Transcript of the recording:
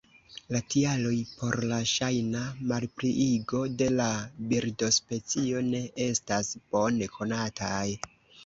La tialoj por la ŝajna malpliigo de la birdospecio ne estas bone konataj.